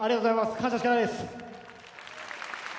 感謝しかないです。